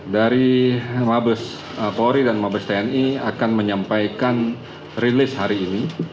dari mabes polri dan mabes tni akan menyampaikan rilis hari ini